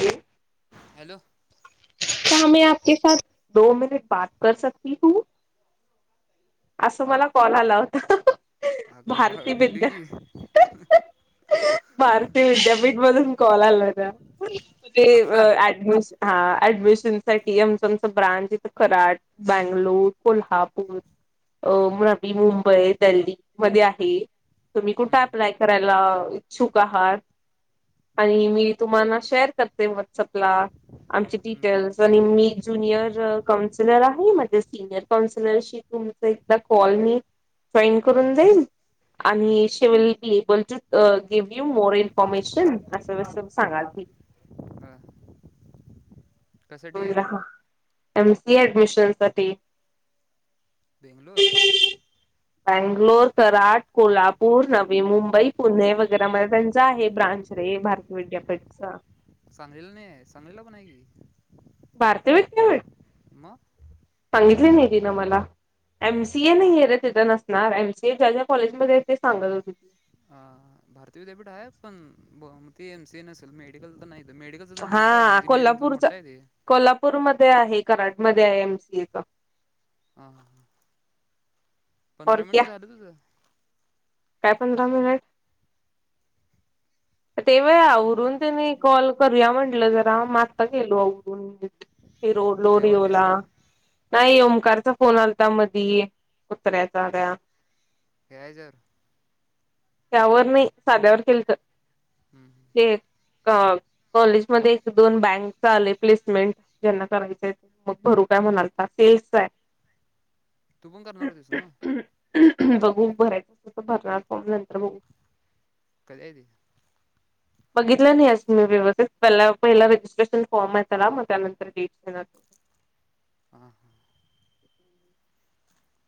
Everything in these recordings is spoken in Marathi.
हउ. हॅलो. क्या में आप के सात दो मिनट बात कर सकती हु. असं मला कॉल आला ह. आग हवेली की. ह ह. भारतीय विद्यापीठ मधून कॉल आला होता तुझे आत्ता ऍडमिशन. हा ऍडमिश. आमच आमच ब्रांच आहे कराड बंगलोर कोल्हापूर. ओ नईमुंबई दिल्ली मध्ये आहे तुम्ही कुथे हम्म अप्लाय करायला. इच्छुक आहात. आणि मी तुम्हाला शेअर करते व्हॉट्सअपला आमची पिक. हम्म टेलसनिग मी ज्युनियर काउन्सिलर आहे अमर्जेनशी सिनियर काउन्सिलरशी तुमचं एकदा. कॉलनीत पैन करून जईल आणि हम्म सेवर. Able to give you more information असं सांगाल ती. हा कशासाठी आहे आम्हला हा एम सी ए ऍडमिशनसाठी बेंगलोर [inaudible] बैंगलोर, कराड, कोल्हापूर, नवी मुंबई, पुणे वगैरा मध्ये त्यांचा आहे ब्रांच ते ये भारत विद्यापीठच, साहिल ने सांगितले का नाही. भारती विद्यापीठ मंग [inaudible] सांगितली नाही तीन मला, एमसीए नाही आहे. रे तिथं नसणार एमसीए ज्या ज्या कॉलेजमध्ये ते सांगत होती. अ भारतीय विद्यापीठ आहे पण बहूतेक एमसीए नसेल मेडिकल तेन नाहीत. हा कोल्हापूरचा ते कोल्हापूरमध्ये आहे. कराडमध्ये आहे एमसीए च हं और पंधरा क्या मिनिट झालं तुझं, काय पंधरा मिनिट, तेव्हा पंधरा मिनटं आवरून म्हटलेलीस त्यांनी कॉल करूया म्हंटलं जरा मग आत्ता केलो आवरून, फिर नाही ओडलोरी जेवालतीस ओला काय नाही ओमकार फोन आलता मधी उतरायायचा काय या जर त्यावर नाही साध्यावर केलत ते, अ कॉलेज मध्ये एक दोन बँक्स आले प्लेसमेंट ज्यांना करायचंय मग भरू म्हणालता सेल्सस आहे. तु पण करणार होतीस न्हव. बघू भरायचं अस तर भरणार फॉर्म नंतर बघू, कध द [inaudible] [inaudible] बघितलं नाही अजून मी व्यवस्थित पहिला रजिस्ट्रेशन फॉर्म आहे त्याला मग त्यानंतर डेट [inaudible] हा हा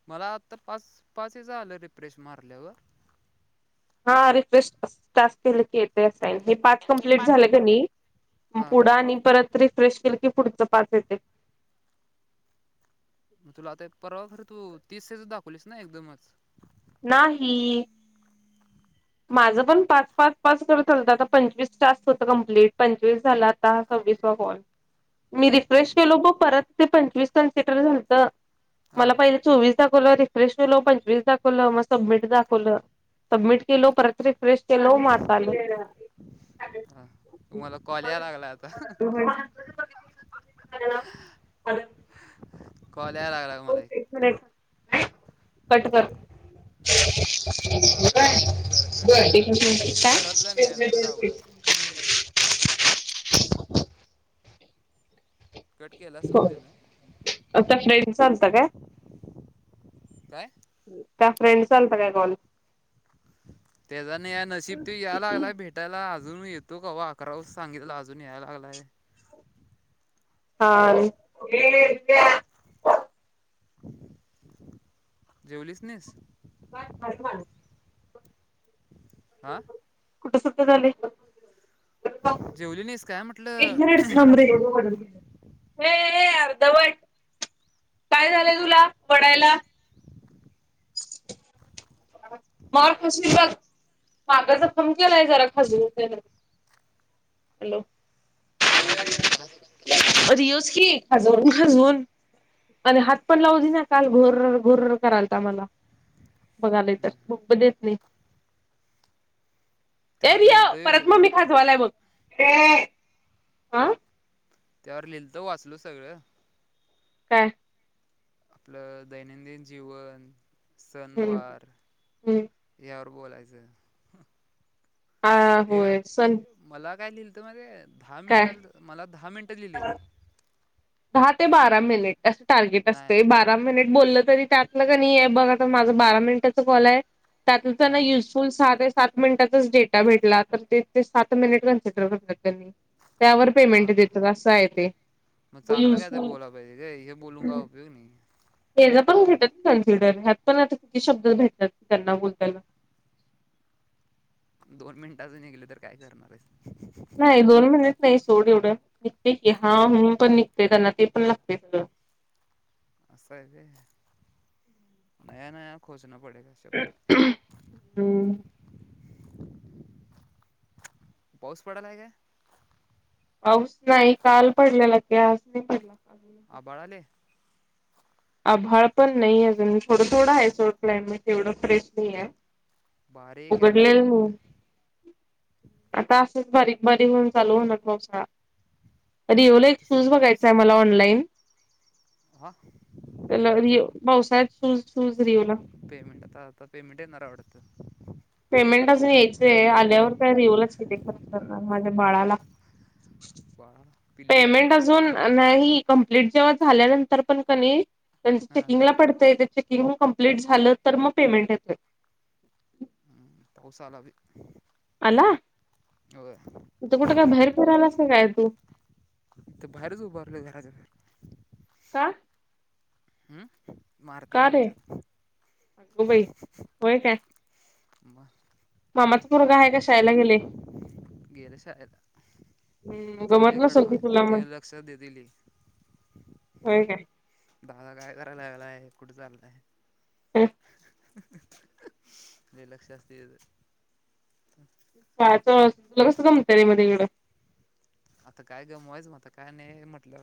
मला आता पाच पाच आलं रिप्रेश मारल्यावर, हा रिफ्रेश टास्क केले की येते. पाच कंप्लीट झालं कणी मग हां पुढे आणि परत रिफ्रेश केल. की पुढच पाच येतेे. मग तुला आता एक परवा खरं तू तीस च दाखवलीस ना एकदमच नाही. माझं पण पाच पाच पास करतच आता पंचवीस टास्क होत कंप्लीट पंचवीस झालं आता. तिस काॅल मी रिफ्रेश हं. केलो ग परत ते पंचवीस कन्सिडर झालत हा मला पहिले चोवीस दाखवलं रिफ्रेश केलो पंचवीस दाखवलं मग सबमिट दाखवलं सबमिट केलं परत रिफ्रे फ्रेश केलो मग आता आलं. हा मला कॉल यायला लागला आता [unintelligible] काॅल याय लागलाय मला एक कट कर. बर बर कटच आता काय करा कटच करावं नशीब घरातला नाही आहे नाही तर आवड झालं [unintelligible] [unintelligible] कट केला हो सोड ते ना आता फ्रेंन्डचा आलता काय. काय काय फ्रेंन्ड चा आलता काय कॉल, त्याचा नाही आहे नशीब तो याय लागलाय भेटायला. अजून येतो कवा अकरा वाजता सांगितला अजून यायला लागलाय. हा. जेवलीच नाहीस [inaudible] आ कुठ सुठं झालंय जेवली नाहीस काय म्ह एक मिनिट थांब रे बघू म्हणून ए अर्धवट काय झालंय तुला वडायला मार खाशील बग [inaudible] आहे जरा खजवून हॅलो काय जखम केलाय रियोस की खजवून खजवून आणि हात पण लावू दे ना काल घोर घोर करायल तमला बघाले तर देत नाही त्यावर एरिया लिहिलतो परत मग मी खाजवालाय मग आं त्यावर लिलत वाचलो सगळं का आपलं दैनंदिन जीवन हम्म सनवार हम्म यावर बोलायचं ह आ होय स मला काय लिहिलं तर माहिती काय दहा मिनिट मला दहा मिनिट लिहिले दहा ते बारा मिनिट असं टार्गेट नाही असतंय बारा मिनिट बोललं तरी त्यातलं कनी बघ आता माझा बारा मिनिटाचा कॉल आहे त्यात हां युजफुल साध सात मिनिटचाच डेटा भेटला तर ते ते सात मिनिट कन्सिडर करत त्यांनी त्यावर पेमेंट हां देतात असं आहे ते मग चांगलं काय तर युजफुल बोलाय पाहिजे रे हे बोलून काय उपयोग नाही हॅज पण होतात कन्सिडर ह्यात पण आता किती शब्द भेटतात त्यांना बोलताना [unintelligible] दोन मिनिटांच निघल तर काय करणार आहेस नाही दोन महिन नाही सोड एवढं निघते की हा पण निघते त्यांना ते पण लागतंय सगळं असं आहे ते नया नया खोज रखना पडेगा शब्द हम्म पाऊस पडलाय काय पाऊस नाही काल पडलेला ते आज नाही पडला आभाळ आलंय आभाळ पण नाही अजून थोडं थोडं आहे सोड क्लायमेट येवढं फ्रेश नाही आहे बारीक यायला लागला उघडलेल म इकडं आता बारीक बारीक होऊन चालू होणार पावसाळा रेवुला एक तर शूज समोरच बघायचा आहे मला ऑनलाईन हा त्याला रिवुला पावसाळ्यात शूज शूज रिवुला पेमेंट आता आता पेमेंट येणार वाटतं पेमेंट अजून यायचंय आल्यावर काय रेवूलाचं की तेे खर्च करणार माझ्या बाळाला बाळाला पिल्लूला पेमेंट अजून नाही कंप्लीट जेव्हा झाल्यानंतर पण कनी त्यांच हां चेकिंग ला पडतंय तेचे चेकिंग कंप्लीट झालं तर मग पेमेंट येतंय पाऊस आला रे आला तू कुठं काय बाहेर फिरायलास काय तू इथं बाहेरच उभारलोय घराच्या बाहेर का हम् मारत्यात का रे आमच्यात अगं बाई होय काय ब [unintelligible] मामाचा पोरगं आहे का शाळेला गेलंय गेल शाळेला हम्म गमत ठेवलय नसल की कडवायला तुला मग तेल असं दिली होय काय भावा काय करायला लागलाय कुठ चाललाय ह लई लक्ष असतं त्याचं नाहीतर तुला कसं गमतंय रे तिकडे आता काय गमवायचं मग आता काय नाही म्हटल्या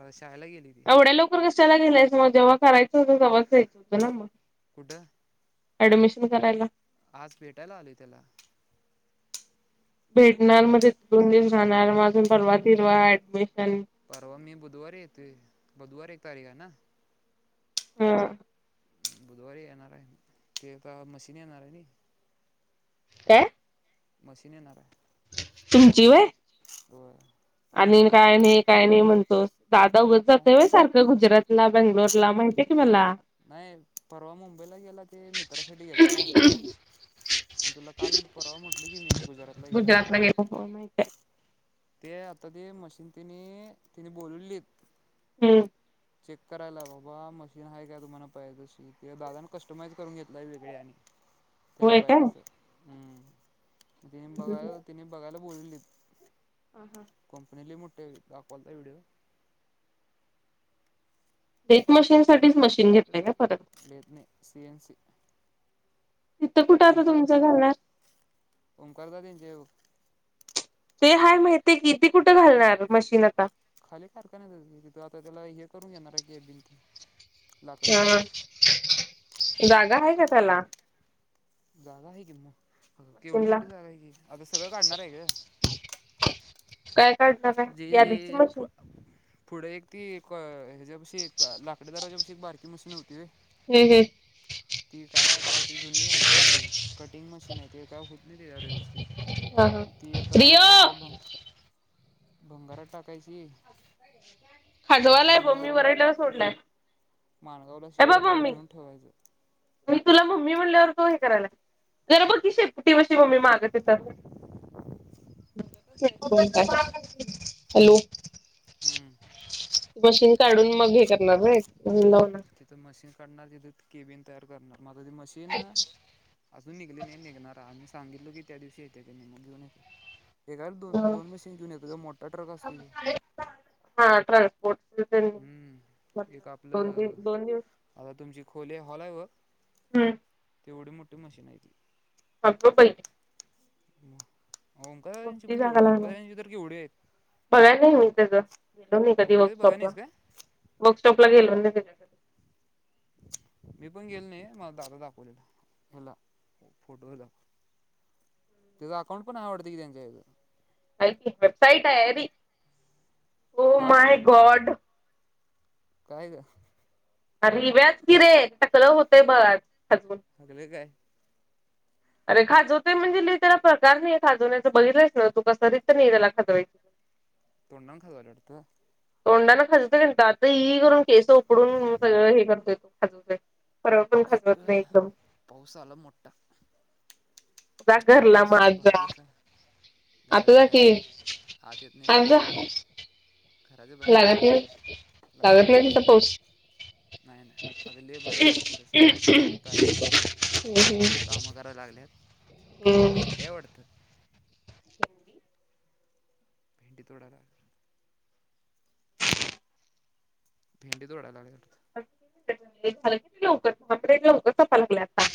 एवढ्या लवकर कशाला गेलायस मग जेव्हा करायचं होतं तेव्हाच जायचं होतं ना मग कुठं ऍडमिशन करायला आज भेटायला आलोय त्याला भेटणार मग त दोन दिवस जाणार अजून परवा फिरवा ऍडमिश परवा मी बुधवारी येतोय बुधवार एक तारीख आहे ना हम बुधवारी येणार आहे ते मशीन येणार आहे नि का मशीन येणार आहे तुमची वय हो आणि काय नाही काय नाही म्हणतो दादा उघत हा जातय व सारखं गुजरात बेंगलोर ला माहितीय की मला नाही परवा मुंबईला गेला ते मित्रासाठी गेलता आणि तुला काल परावा म्हटली की मी गुजरातला गेला म्हणून माहितीय ते आता ते मशीन तने तिने बोलूनलीत हम्म चेक करायला बाबा मशीन आहे काय तुम्हाला पाहिजे ते दादा कस्टमाइज करून घेत लाई वेगळे आणि त्याला होय पाय काय तस हा ति बघायला तिने बघायला बोलली हा. कंपनी मोठ दाखवलतय व्हडिओ ट मशीन साठीच मशीन घेतलंय का परत लेथ नाही सीएन सी तिथं कुठं आता ओमकार तुमचं घालणार ओमकार दा तनचे ते हय माहतीय की तेी कुठं घालणार मशीन आता खाली कारखाना नाहीथ आता त्याला हे करून घेणार आहे की बि हा जागा आहे का त्याला? जागा आहे कि केवढी मशीनला मोठी झागा आहे की आता सगळं काढणार आहे का काय? काढणार जे आहे जे यादीची मशीन फुढे एक ती हच्या्या बशी लाकडी दाराच्या एक बारकी मशीनती त हम् हम् ती काय आता ती जुनी झाली त कटिंग मशीन आहे ते काय होत नाही ते या व्यवस्थेत हा हा मग ती आता रिओ एकतर भ भंगारात टाकायची नाहीतर हाजवालाय ब मी मग वरायटला सोडलाय माणगावला हे शेड बघ तिकड मम्मी नेऊन ठेवायचं. मी म्हटल्यावर तो हे करायला जरा ब कि श कोटीपशी मम्मी माग तिथ. [unintelligible] हॅलो हम्म मशीन काढून मग हे करणार व्हय? मग लावणार. मशीन काढणार तिथे केबिन तयार करणार. म आता ते मशीन, अजून निघली नाही निघणार हाय. आम्ही सांगितलं की त्या दिवशी येते त्यांनी मग घेऊन य. एकाला दो दोन मशीन घेऊन येतोय ग, मोठा ट्रक असतोय त्यो. हा ट्रान्सपोर्ट हम्म एक दोन दिव आपलं, दोन दिवस आता तुमची खोले हॉल हाय बग हम्म. एवढी मोठी मशीन हाय ती. अगं बई! ओंकारदांची पण जागा तेवढं लागणार ओंकारदाची तर केवढी हाय बघायला नाही मी त्याच. गेलो नाही कधी ओंकाराची बघाय वर्कशॉपला. नाहीस काय? वर्कशॉप ला गेलो नाही त्याच्या कधी मी पण गेली नाही. मला दादा दाखवलेला हेला फोटोवर दा त्याचा अकाउंट पण आहे आवडतं की त्यांच्या इथ. हाय की वेबसाइट आहेरी. ओ हा माय गॉड! काय ग रिव्याच कि रे टकलं होते बस. झाल काय अरे खाजवते म्हणजे ल त्याला प्रकार नाही खाजवण्याचं बैरलंच ना तू कस र तर नाही त्याला खजवायची ह तोंडाने खजवल्लय वाटत तोंडाना खाजत तर आता इ करून केस उकडून सगळं हे करतोय तो खाजवत. परवा पण इका नाही एकदम पाउस आला मोठा जा करला कसलं माझा भारी दिसा आता घराच्या जा की बाहेरच आत येत नाही आता जा पाऊस घराच्या बाहेर लागत उभारलोय नई लागत नई तिथं पाऊस नाही नाही अगले भार इथं पुढ समोर शेत आहे शेतात हम्म. बायका काम करायला लाग गल्यात भिंडया वाटत. भेंडी तोडा भिंडी तोडाय लागलोय झालं क लवकरचे लवकरपा लागला आता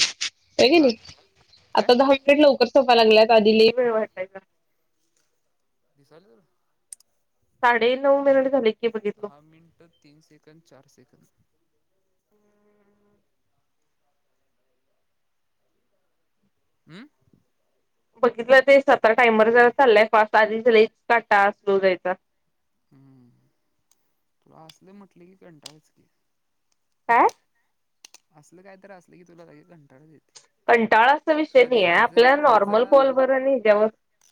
नाही ग हा नाही काय आता दहा मिनिट लवकर सोपा लागलाय तर आधला वेळ वाटाय का दिसाले तर साडे नऊ मीनीट झाले की बघितलो दहा मिनट तीन सेकंद, चार सेकंद हम्म बघितलं ते सतरा टाइमर जरा चाललाय फास्ट आधी काटा स्लो जायचा. हम्म तुला असल म्हटले की कंटायच की आ असलं काय तर असलं की तुलाग कं कंटाळा अस विषय नाही आहे ह्याज आपल्या नॉर्मल ह्याचा कॉल बर नाही ज्यावर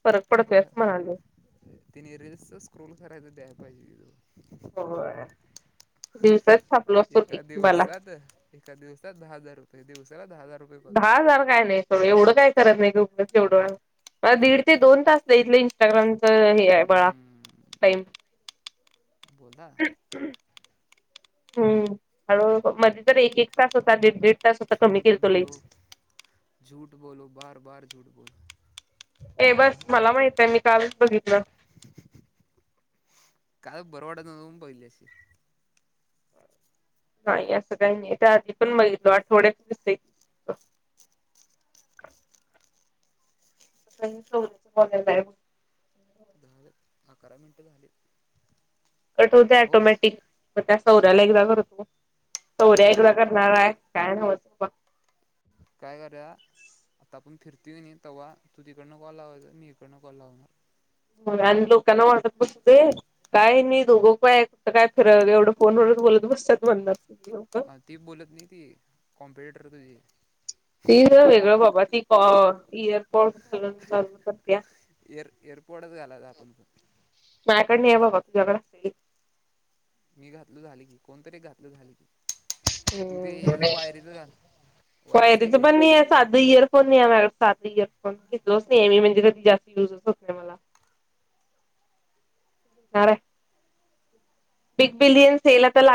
फरक पडतोय असं म्हणाले ति निरस स्क्रोल करायच द्यायला पाहिजे. हो दिवसात पलो असतो बाला दिव दहा हज रुपये दिवसाला दहा हजार रुपये पगार दहा हजार काय नाही सडं एवढं काय [unintelligible] नाही [unintelligible] म दीड ते दोन त इंस्टाग्राम हे आहे बळा हम्म टाईम. बोला हम्म मध्ये जर एक, एक तास होता दीड, दीड तास होता कमी झूठ केलतो बोलो, लईच झूठ बोलो बार बार झूठ बोलो ए हा बस मला माहित आहे मी काल बघितलं. [inaudible] काय बरवाटत नव्हतं पाहिली अशी. नाही असं काही नाही त्या आधी पण [unintelligible] आठवड्यात दिस [inaudible] [unintelligible] सौच मॉल झालं अकरा मिनटं झाले कठ होत ऑटोमॅटिक ब चौर्याला एकदा करतो चौर्या एकदा करणारय काय नवत. फिरते नाही तेव्हा तुझकडनं कॉल लावाय मी इकडनं कॉल लावणार. आणि लोकांना वाटत म तु ते काय नाही दोघं काय काय फिर एवढं फोन वच बोलत त [unintelligible] बंद ह ती बोलत नाही ती, कॉम्प्युटेटर तुझी. ती वेगळं बाबा, ती एयरपोर्ट घलून चालू करत्या. एअर एअरपोर्टच घालायच आपण पण. माझ्याकडे नाही आहे बाबा तुझ्याकडे [unintelligible] घातल झाली की, कोणतरी एक घातल झाल की. तू हे वायरीच घाल. वायरीचं आहे वायरीच की पण नाही आहे, साधं इयरफोन नाही आहे माझ्याकड. साध इयरफोन घेतलोच नाहीय मी, म्हणजे कधी जास्त युजच होत नाही मला. घेणार हाय. बिग बिलिनसेल आत्ता लाग